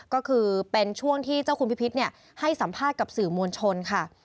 ก็คือเป็นช่วงที่เจ้าคุณพิพิษให้สัมภาษณ์กับสื่อมวลชนค่ะ